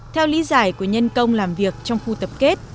theo lý giải của nhân công làm việc trong khu tập kết